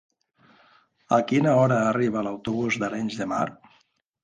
A quina hora arriba l'autobús d'Arenys de Mar?